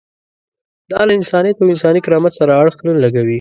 دا له انسانیت او انساني کرامت سره اړخ نه لګوي.